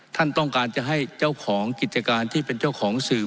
ท่านต้องการจะให้เจ้าของกิจการที่เป็นเจ้าของสื่อ